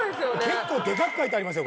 結構デカく書いてありますよ。